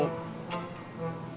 bisa kena ganti motor